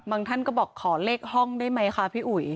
ท่านก็บอกขอเลขห้องได้ไหมคะพี่อุ๋ย